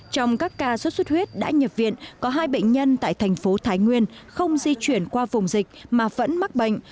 trong các ca xuất xuất huyết đã nhập viện có hai bệnh nhân tại thành phố thái nguyên không di chuyển qua vùng dịch mà vẫn mắc bệnh